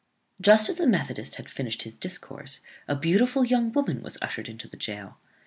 Just as the methodist had finished his discourse, a beautiful young woman was ushered into the gaol.